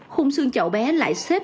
khung xương chậu bé lại xếp